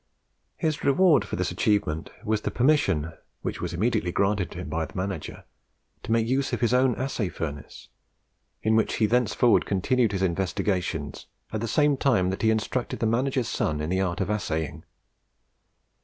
His reward for this achievement was the permission, which was immediately granted him by the manager, to make use of his own assay furnace, in which he thenceforward continued his investigations, at the same time that he instructed the manager's son in the art of assaying.